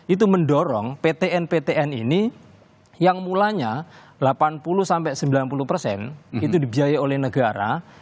itu mendorong ptn ptn ini yang mulanya delapan puluh sembilan puluh persen itu dibiayai oleh negara